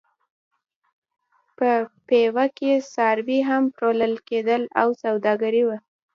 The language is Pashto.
په پېوه کې څاروي هم پلورل کېدل او سوداګري وه.